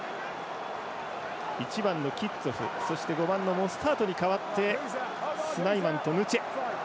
１番のキッツォフ５番のモスタートに代わってスナイマンとヌチェ。